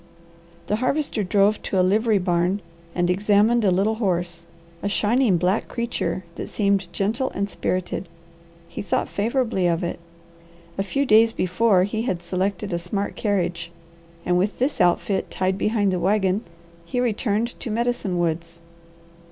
The Harvester drove to a livery barn and examined a little horse, a shining black creature that seemed gentle and spirited. He thought favourably of it. A few days before he had selected a smart carriage, and with this outfit tied behind the wagon he returned to Medicine Woods.